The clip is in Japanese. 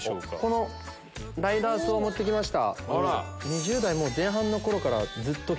このライダースを持ってきました。